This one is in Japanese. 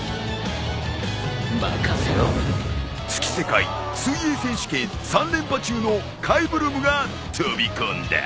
任せろ月世界水泳選手権３連覇中のカイブルームが飛び込んだ。